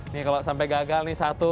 nih kalau sampai gagal nih satu